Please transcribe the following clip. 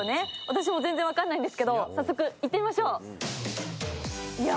私も全然分かんないんですけど早速行ってみましょう。